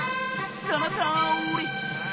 そのとおり！